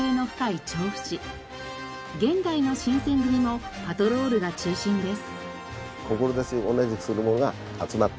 現代の新撰組もパトロールが中心です。